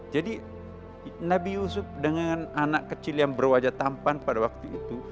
jadi nabi yusuf dengan anak kecil yang berwajah tampan pada waktu itu